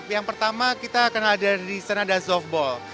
yang pertama kita kenal dari sana ada softball